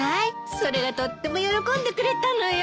それがとっても喜んでくれたのよ。